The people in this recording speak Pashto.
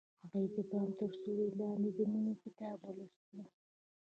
هغې د بام تر سیوري لاندې د مینې کتاب ولوست.